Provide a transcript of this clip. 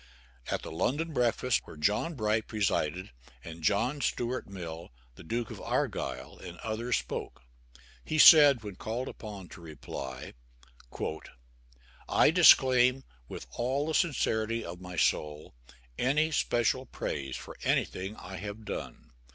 At the London Breakfast, where John Bright presided, and John Stuart Mill, the Duke of Argyll, and others spoke, he said, when called upon to reply: "I disclaim, with all the sincerity of my soul, any special praise for anything I have done.